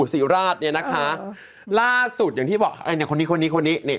ศรีราชเนี่ยนะคะล่าสุดอย่างที่บอกไอเนี่ยคนนี้คนนี้คนนี้คนนี้นี่